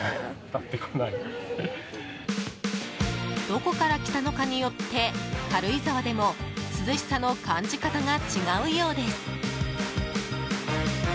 どこから来たのかによって軽井沢でも涼しさの感じ方が違うようです。